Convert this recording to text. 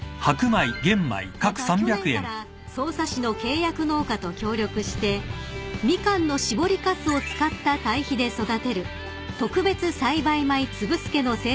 ［また去年から匝瑳市の契約農家と協力してミカンの搾りかすを使った堆肥で育てる特別栽培米粒すけの生産も開始］